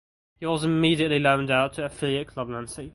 He was immediately loaned out to affiliate club Nancy.